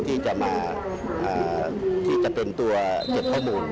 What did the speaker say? ที่จะมาที่จะเป็นตัวเก็บข้อมูล